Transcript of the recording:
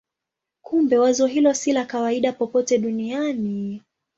Kumbe wazo hilo si la kawaida popote duniani.